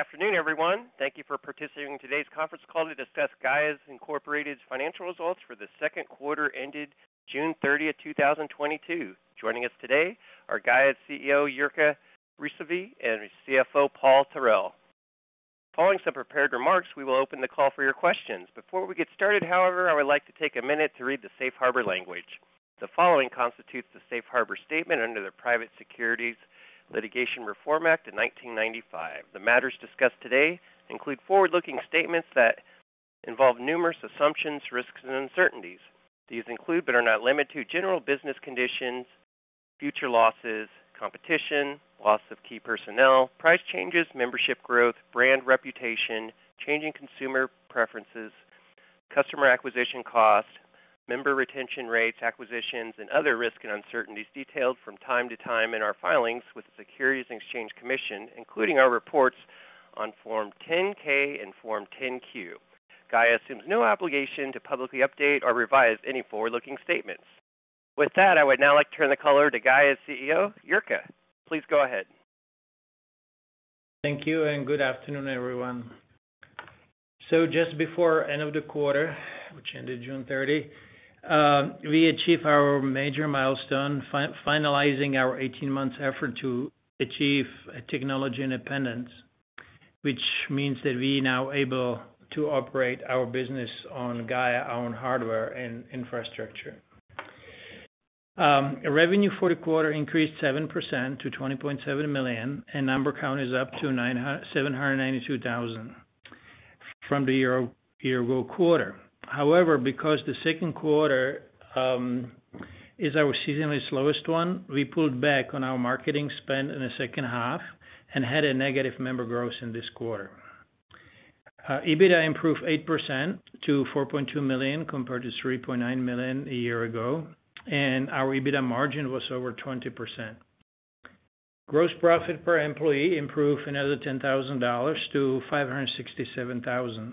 Afternoon, everyone. Thank you for participating in today's conference call to discuss Gaia, Inc's Financial Results for the Second Quarter ended June 30, 2022. Joining us today are Gaia's CEO, Jirka Rysavy, and CFO, Paul Tarell. Following some prepared remarks, we will open the call for your questions. Before we get started, however, I would like to take a minute to read the safe harbor language. The following constitutes the safe harbor statement under the Private Securities Litigation Reform Act of 1995. The matters discussed today include forward-looking statements that involve numerous assumptions, risks, and uncertainties. These include, but are not limited to general business conditions, future losses, competition, loss of key personnel, price changes, membership growth, brand reputation, changing consumer preferences, customer acquisition costs, member retention rates, acquisitions and other risks and uncertainties detailed from time to time in our filings with the Securities and Exchange Commission, including our reports on Form 10-K and Form 10-Q. Gaia assumes no obligation to publicly update or revise any forward-looking statements. With that, I would now like to turn the call over to Gaia's CEO, Jirka. Please go ahead. Thank you and good afternoon, everyone. Just before end of the quarter, which ended June 30, we achieved our major milestone finalizing our 18 months effort to achieve technology independence, which means that we now able to operate our business on Gaia own hardware and infrastructure. Revenue for the quarter increased 7% to $20.7 million, and member count is up to 792,000 from the year ago quarter. However, because the second quarter is our seasonally slowest one, we pulled back on our marketing spend in the second half and had a negative member growth in this quarter. EBITDA improved 8% to $4.2 million compared to $3.9 million a year ago, and our EBITDA margin was over 20%. Gross profit per employee improved another $10,000-$567,000.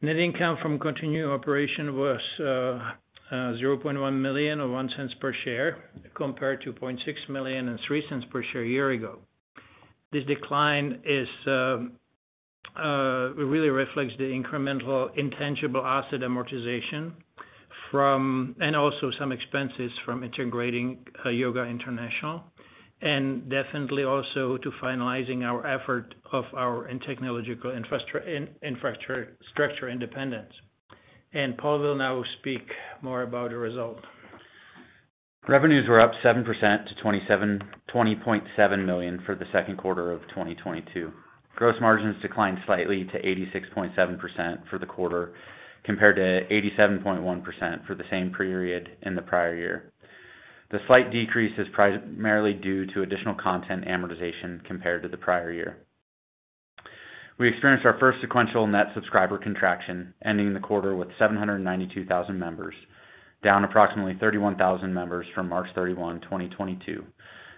Net income from continuing operation was $0.1 million or $0.01 per share compared to $0.6 million and $0.03 per share a year ago. This decline really reflects the incremental intangible asset amortization from and also some expenses from integrating Yoga International, and definitely also to finalizing our effort of our technological infrastructure independence. Paul will now speak more about the result. Revenues were up 7% to $20.7 million for the second quarter of 2022. Gross margins declined slightly to 86.7% for the quarter, compared to 87.1% for the same period in the prior year. The slight decrease is primarily due to additional content amortization compared to the prior year. We experienced our first sequential net subscriber contraction, ending the quarter with 792,000 members, down approximately 31,000 members from March 31, 2022,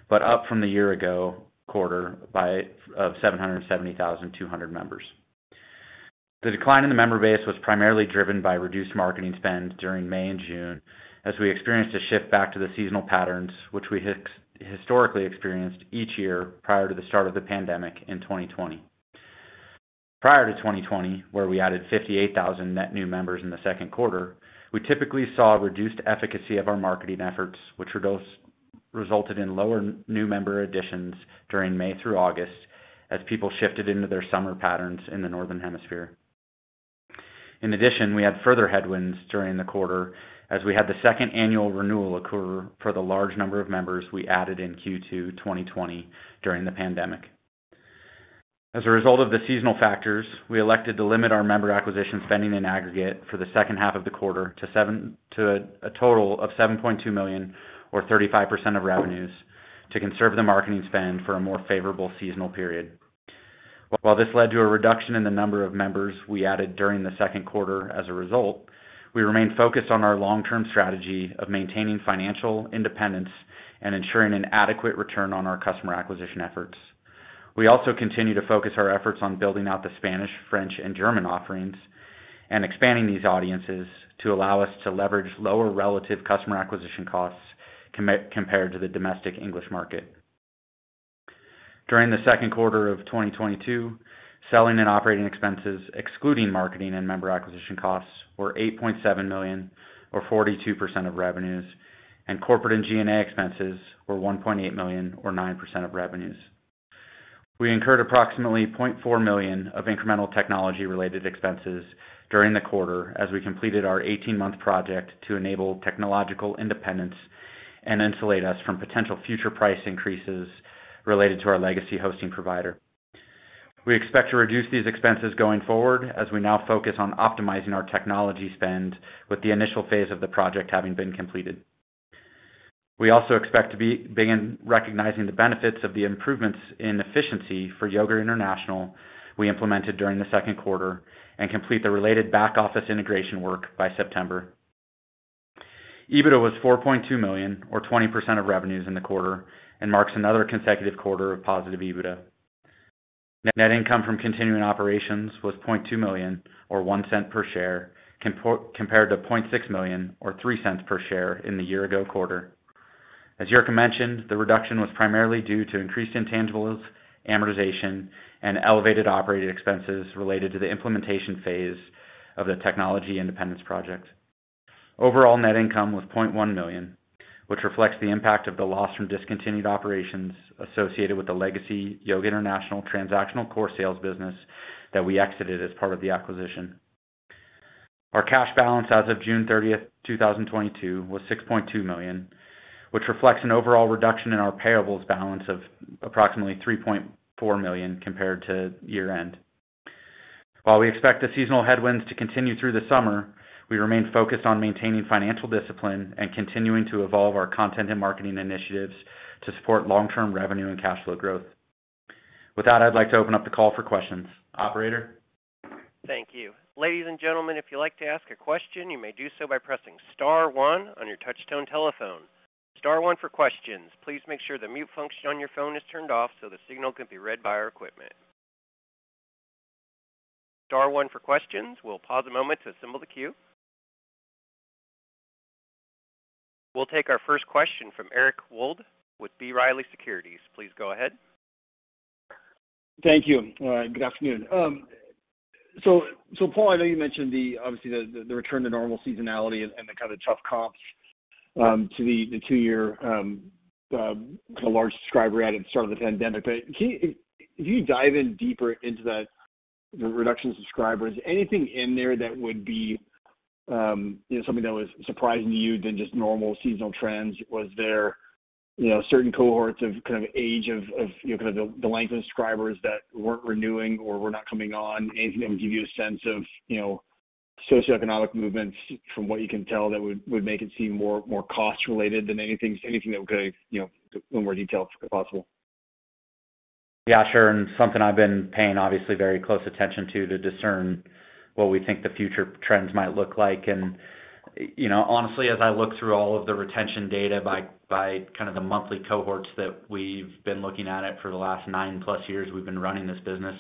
but up from the year ago quarter by 770,200 members. The decline in the member base was primarily driven by reduced marketing spend during May and June as we experienced a shift back to the seasonal patterns which we historically experienced each year prior to the start of the pandemic in 2020. Prior to 2020, where we added 58,000 net new members in the second quarter, we typically saw a reduced efficacy of our marketing efforts, which resulted in lower new member additions during May through August as people shifted into their summer patterns in the Northern Hemisphere. In addition, we had further headwinds during the quarter as we had the second annual renewal occur for the large number of members we added in Q2 2020 during the pandemic. As a result of the seasonal factors, we elected to limit our member acquisition spending in aggregate for the second half of the quarter to a total of $7.2 million or 35% of revenues to conserve the marketing spend for a more favorable seasonal period. While this led to a reduction in the number of members we added during the second quarter as a result, we remain focused on our long-term strategy of maintaining financial independence and ensuring an adequate return on our customer acquisition efforts. We also continue to focus our efforts on building out the Spanish, French and German offerings and expanding these audiences to allow us to leverage lower relative customer acquisition costs compared to the domestic English market. During the second quarter of 2022, selling and operating expenses excluding marketing and member acquisition costs were $8.7 million or 42% of revenues, and corporate and G&A expenses were $1.8 million or 9% of revenues. We incurred approximately $0.4 million of incremental technology-related expenses during the quarter as we completed our 18-month project to enable technological independence and insulate us from potential future price increases related to our legacy hosting provider. We expect to reduce these expenses going forward as we now focus on optimizing our technology spend with the initial phase of the project having been completed. We also expect to begin recognizing the benefits of the improvements in efficiency for Yoga International we implemented during the second quarter and complete the related back-office integration work by September. EBITDA was $4.2 million or 20% of revenues in the quarter and marks another consecutive quarter of positive EBITDA. Net income from continuing operations was $0.2 million or $0.01 per share compared to $0.6 million or $0.03 per share in the year-ago quarter. Jirka mentioned, the reduction was primarily due to increased intangibles, amortization, and elevated operating expenses related to the implementation phase of the technology independence project. Overall net income was $0.1 million, which reflects the impact of the loss from discontinued operations associated with the legacy Yoga International transactional core sales business that we exited as part of the acquisition. Our cash balance as of June 30, 2022 was $6.2 million, which reflects an overall reduction in our payables balance of approximately $3.4 million compared to year-end. While we expect the seasonal headwinds to continue through the summer, we remain focused on maintaining financial discipline and continuing to evolve our content and marketing initiatives to support long-term revenue and cash flow growth. With that, I'd like to open up the call for questions. Operator? Thank you. Ladies and gentlemen, if you'd like to ask a question, you may do so by pressing star one on your touch-tone telephone. Star one for questions. Please make sure the mute function on your phone is turned off so the signal can be read by our equipment. Star one for questions. We'll pause a moment to assemble the queue. We'll take our first question from Eric Wold with B. Riley Securities. Please go ahead. Thank you. Good afternoon. Paul, I know you mentioned obviously the return to normal seasonality and the kind of tough comps to the two-year large subscriber we had at the start of the pandemic. Can you dive in deeper into that, the reduction in subscribers, anything in there that would be you know something that was surprising to you than just normal seasonal trends? Was there you know certain cohorts of kind of age of you know kind of the length of subscribers that weren't renewing or were not coming on? Anything that would give you a sense of you know socioeconomic movements from what you can tell that would make it seem more cost related than anything? Anything that could you know little more detail if possible. Yeah, sure. Something I've been paying obviously very close attention to discern what we think the future trends might look like. You know, honestly, as I look through all of the retention data by kind of the monthly cohorts that we've been looking at it for the last 9+ years we've been running this business,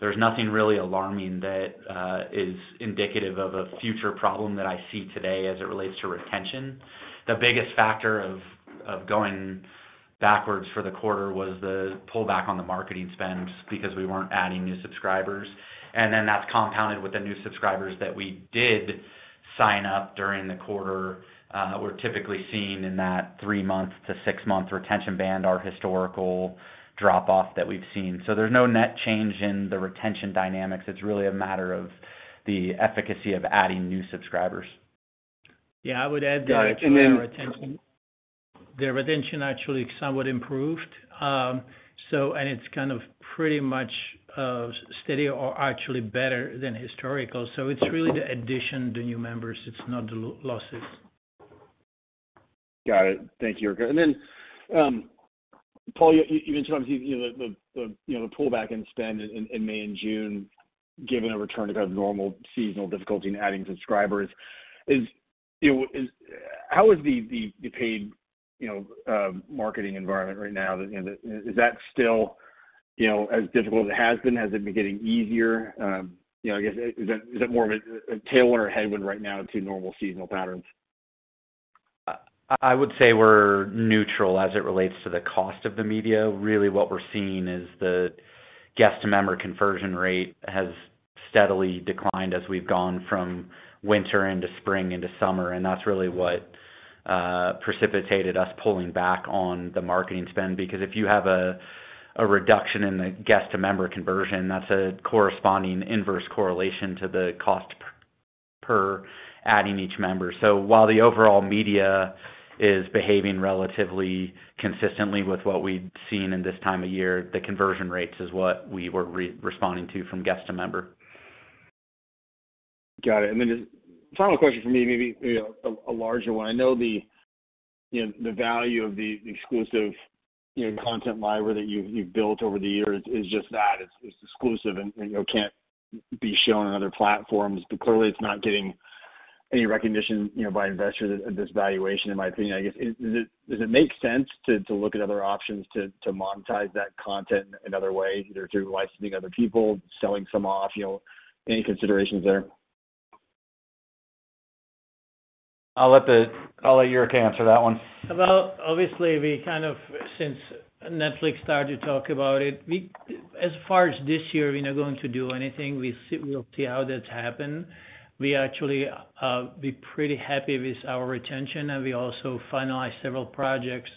there's nothing really alarming that is indicative of a future problem that I see today as it relates to retention. The biggest factor of going backwards for the quarter was the pullback on the marketing spends because we weren't adding new subscribers. Then that's compounded with the new subscribers that we did sign up during the quarter that we're typically seeing in that three month to six month retention band, our historical drop off that we've seen. There's no net change in the retention dynamics. It's really a matter of the efficacy of adding new subscribers. Yeah. I would add that. Got it. The retention actually somewhat improved. It's kind of pretty much steady or actually better than historical. It's really the addition to new members, it's not the losses. Got it. Thank you, Jirka. Paul, you mentioned, you know, the, you know, the pullback in spend in May and June, given a return to kind of normal seasonal difficulty in adding subscribers. How is the paid, you know, marketing environment right now? Is that still, you know, as difficult as it has been? Has it been getting easier? You know, I guess, is that more of a tailwind or headwind right now to normal seasonal patterns? I would say we're neutral as it relates to the cost of the media. Really what we're seeing is the guest to member conversion rate has steadily declined as we've gone from winter into spring into summer. That's really what precipitated us pulling back on the marketing spend, because if you have a reduction in the guest to member conversion, that's a corresponding inverse correlation to the cost per adding each member. While the overall media is behaving relatively consistently with what we've seen in this time of year, the conversion rates is what we were responding to from guest to member. Got it. Just final question for me, maybe, you know, a larger one. I know the, you know, the value of the exclusive, you know, content library that you've built over the years is just that, it's exclusive and, you know, can't be shown on other platforms. But clearly it's not getting any recognition, you know, by investors at this valuation, in my opinion. I guess, does it make sense to look at other options to monetize that content in other ways, either through licensing other people, selling some off, you know, any considerations there? I'll let Jirka answer that one. Well, obviously, since Netflix started to talk about it, as far as this year, we're not going to do anything. We'll see how that's happened. We actually be pretty happy with our retention, and we also finalize several projects.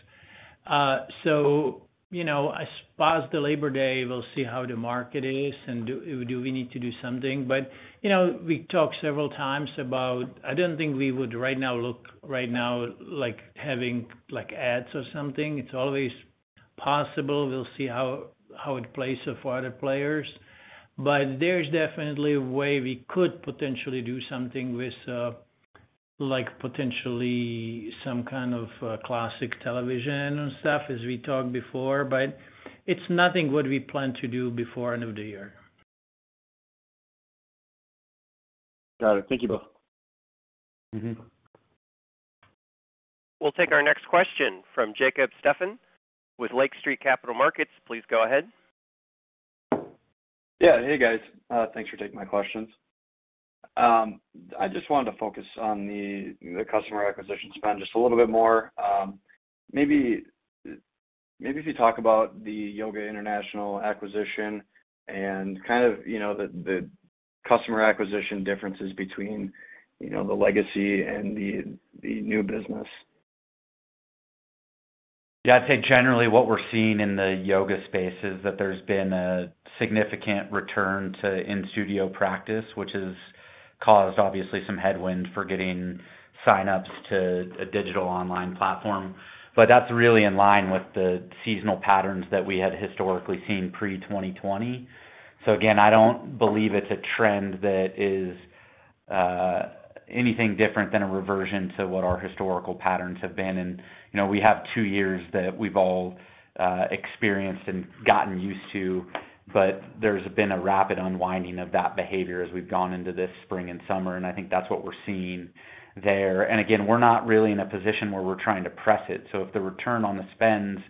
You know, after Labor Day, we'll see how the market is and do we need to do something. You know, we talked several times about I don't think we would right now look like having, like, ads or something. It's always possible. We'll see how it plays for other players. There's definitely a way we could potentially do something with, like, potentially some kind of classic television and stuff, as we talked before, but it's nothing that we plan to do before end of the year. Got it. Thank you both. Mm-hmm. We'll take our next question from Jacob Stephan with Lake Street Capital Markets. Please go ahead. Yeah. Hey, guys. Thanks for taking my questions. I just wanted to focus on the customer acquisition spend just a little bit more. Maybe if you talk about the Yoga International acquisition and kind of, you know, the customer acquisition differences between, you know, the legacy and the new business. Yeah. I'd say generally what we're seeing in the yoga space is that there's been a significant return to in-studio practice, which has caused obviously some headwind for getting sign-ups to a digital online platform. That's really in line with the seasonal patterns that we had historically seen pre-2020. Again, I don't believe it's a trend that is anything different than a reversion to what our historical patterns have been. You know, we have two years that we've all experienced and gotten used to, but there's been a rapid unwinding of that behavior as we've gone into this spring and summer, and I think that's what we're seeing there. Again, we're not really in a position where we're trying to press it. If the return on the spend's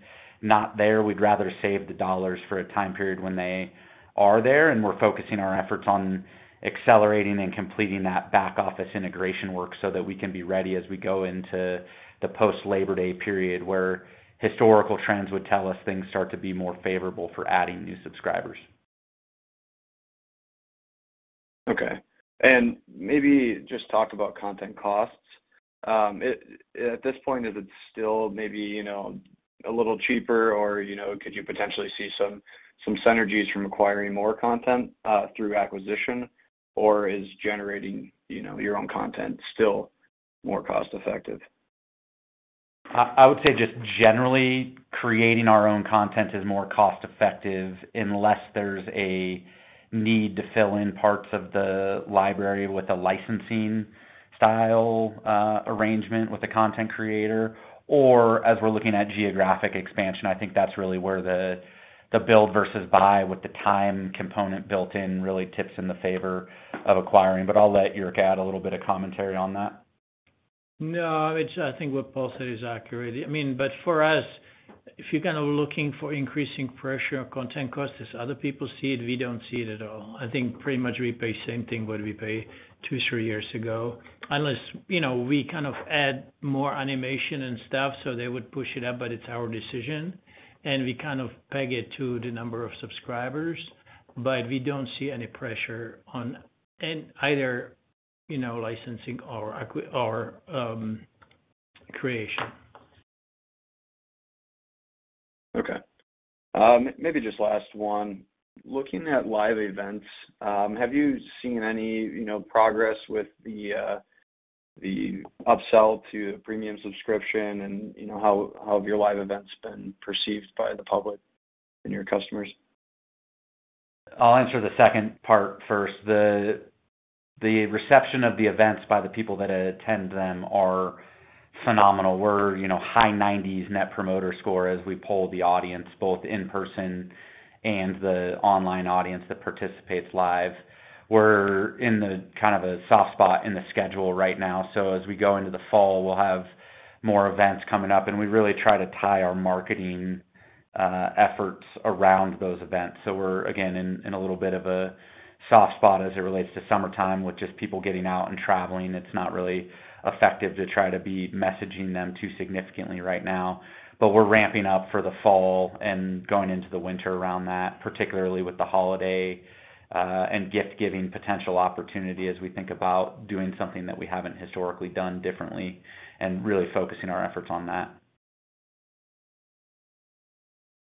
not there, we'd rather save the dollars for a time period when they are there, and we're focusing our efforts on accelerating and completing that back office integration work so that we can be ready as we go into the post-Labor Day period, where historical trends would tell us things start to be more favorable for adding new subscribers. Okay. Maybe just talk about content costs. At this point, is it still maybe, you know, a little cheaper or, you know, could you potentially see some synergies from acquiring more content through acquisition? Or is generating, you know, your own content still more cost-effective? I would say just generally creating our own content is more cost-effective unless there's a need to fill in parts of the library with a licensing style arrangement with the content creator, or as we're looking at geographic expansion, I think that's really where the build versus buy with the time component built in really tips in the favor of acquiring. I'll let Jirka add a little bit of commentary on that. No, it's. I think what Paul said is accurate. I mean, but for us, if you're kind of looking for increasing pressure on content costs as other people see it, we don't see it at all. I think pretty much we pay same thing what we paid two, three years ago. Unless, you know, we kind of add more animation and stuff, so they would push it up, but it's our decision, and we kind of peg it to the number of subscribers. We don't see any pressure on, in either, you know, licensing or creation. Okay, maybe just last one. Looking at live events, have you seen any, you know, progress with the upsell to premium subscription and, you know, how have your live events been perceived by the public and your customers? I'll answer the second part first. The reception of the events by the people that attend them are phenomenal. We're you know high 90s Net Promoter Score as we poll the audience, both in person and the online audience that participates live. We're in the kind of a soft spot in the schedule right now. As we go into the fall, we'll have more events coming up, and we really try to tie our marketing efforts around those events. We're again in a little bit of a soft spot as it relates to summertime with just people getting out and traveling. It's not really effective to try to be messaging them too significantly right now. We're ramping up for the fall and going into the winter around that, particularly with the holiday, and gift-giving potential opportunity as we think about doing something that we haven't historically done differently and really focusing our efforts on that.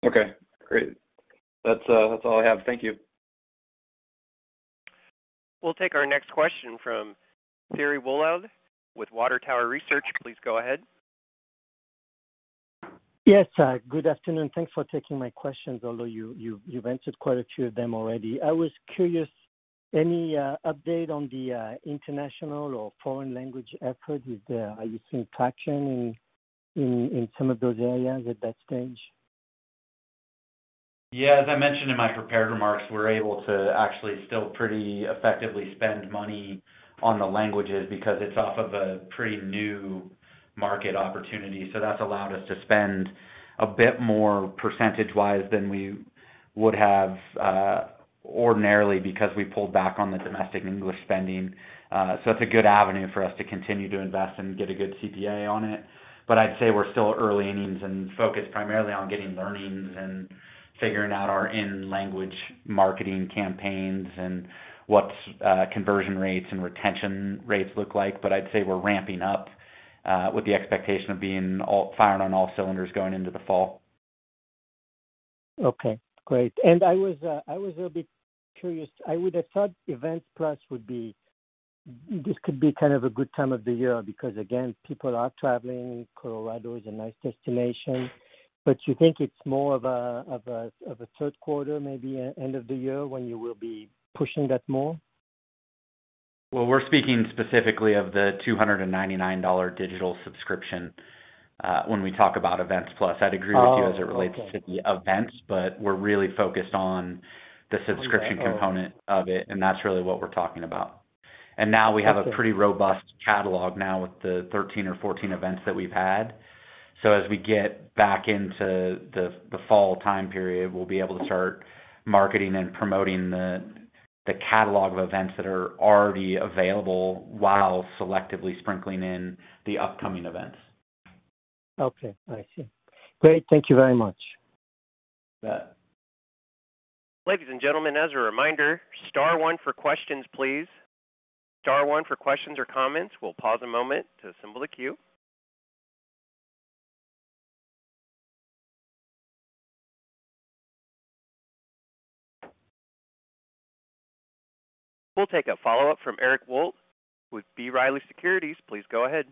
Okay, great. That's all I have. Thank you. We'll take our next question from Thierry Wuilloud with Water Tower Research. Please go ahead. Yes. Good afternoon. Thanks for taking my questions, although you've answered quite a few of them already. I was curious, any update on the international or foreign language effort? Are you seeing traction in some of those areas at that stage? Yeah. As I mentioned in my prepared remarks, we're able to actually still pretty effectively spend money on the languages because it's off of a pretty new market opportunity. That's allowed us to spend a bit more percentage-wise than we would have ordinarily because we pulled back on the domestic English spending. It's a good avenue for us to continue to invest and get a good CPA on it. I'd say we're still early innings and focused primarily on getting learnings and figuring out our in-language marketing campaigns and what conversion rates and retention rates look like. I'd say we're ramping up with the expectation of firing on all cylinders going into the fall. Okay, great. I was a bit curious. I would have thought Events+ would be. This could be kind of a good time of the year because, again, people are traveling. Colorado is a nice destination. But you think it's more of a third quarter, maybe end of the year when you will be pushing that more? Well, we're speaking specifically of the $299 digital subscription, when we talk about Events+. Oh, okay. I'd agree with you as it relates to the events, but we're really focused on the subscription component of it, and that's really what we're talking about. Now we have a pretty robust catalog now with the 13 or 14 events that we've had. As we get back into the fall time period, we'll be able to start marketing and promoting the catalog of events that are already available while selectively sprinkling in the upcoming events. Okay. I see. Great. Thank you very much. Yeah. Ladies and gentlemen, as a reminder, star one for questions, please. Star one for questions or comments. We'll pause a moment to assemble the queue. We'll take a follow-up from Eric Wold with B. Riley Securities. Please go ahead.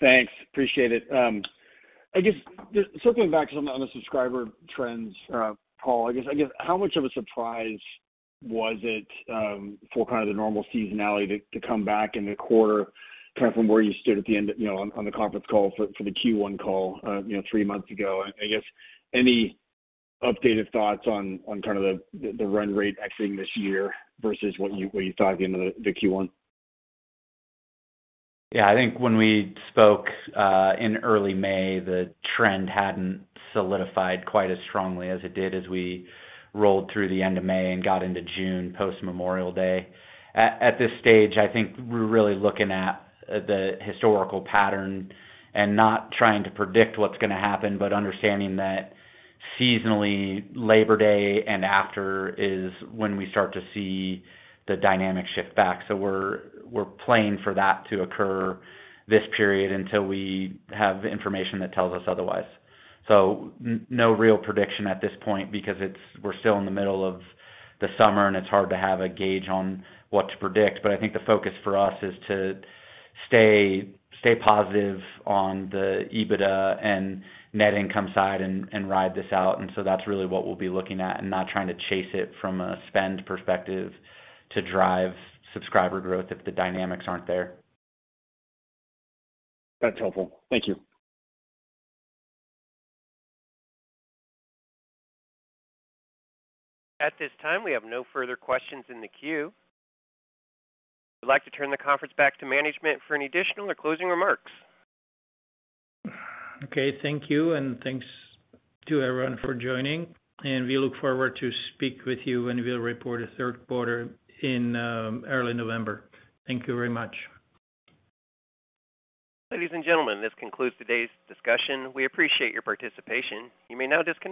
Thanks. Appreciate it. I guess just circling back to some on the subscriber trends call, I guess how much of a surprise was it, for kind of the normal seasonality to come back in the quarter, kind of from where you stood at the end of, you know, on the conference call for the Q1 call, you know, three months ago? I guess any updated thoughts on kind of the run rate exiting this year versus what you thought at the end of the Q1? Yeah. I think when we spoke in early May, the trend hadn't solidified quite as strongly as it did as we rolled through the end of May and got into June post-Memorial Day. At this stage, I think we're really looking at the historical pattern and not trying to predict what's gonna happen, but understanding that seasonally, Labor Day and after is when we start to see the dynamic shift back. We're playing for that to occur this period until we have information that tells us otherwise. No real prediction at this point because we're still in the middle of the summer, and it's hard to have a gauge on what to predict. I think the focus for us is to stay positive on the EBITDA and net income side and ride this out. That's really what we'll be looking at and not trying to chase it from a spend perspective to drive subscriber growth if the dynamics aren't there. That's helpful. Thank you. At this time, we have no further questions in the queue. I'd like to turn the conference back to management for any additional or closing remarks. Okay. Thank you, and thanks to everyone for joining, and we look forward to speak with you when we'll report the third quarter in early November. Thank you very much. Ladies and gentlemen, this concludes today's discussion. We appreciate your participation. You may now disconnect.